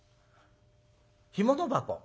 干物箱。